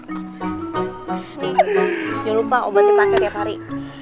jangan lupa obat dipake tiap hari